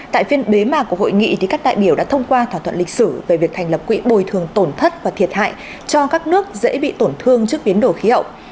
tại phiên bế mạc của hội nghị các đại biểu đã thông qua thỏa thuận lịch sử về việc thành lập quỹ bồi thường tổn thất và thiệt hại cho các nước dễ bị tổn thương trước biến đổi khí hậu